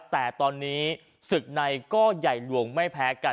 แต่ตอนนี้ศึกในก็ใหญ่หลวงไม่แพ้กัน